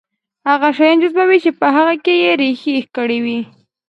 هغه شيان جذبوي چې په هغه کې يې رېښې کړې وي.